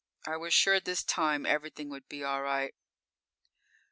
I was sure this time everything would be all right.